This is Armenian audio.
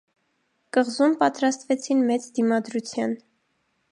Կղզում պատրաստվեցին մեծ դիմադրության։